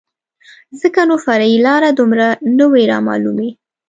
ځکه نو فرعي لارې دومره نه وې رامعلومې.